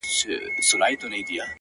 چي مو وركړي ستا د سترگو سېپارو ته زړونه؛